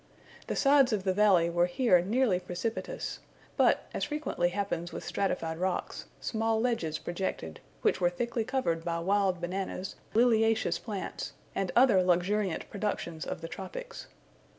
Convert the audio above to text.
The sides of the valley were here nearly precipitous, but, as frequently happens with stratified rocks, small ledges projected, which were thickly covered by wild bananas, lilaceous plants, and other luxuriant productions of the tropics.